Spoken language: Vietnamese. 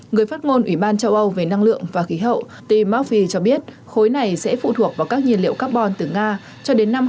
người phát ngôn ủy ban châu âu về năng lượng và khí hậu tim murphy cho biết khối này sẽ phụ thuộc vào các nhiên liệu carbon từ nga cho đến năm hai nghìn hai mươi bảy